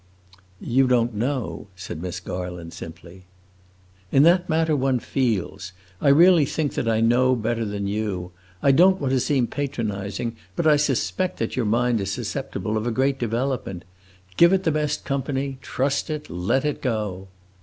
"You don't know," said Miss Garland, simply. "In that matter one feels. I really think that I know better than you. I don't want to seem patronizing, but I suspect that your mind is susceptible of a great development. Give it the best company, trust it, let it go!"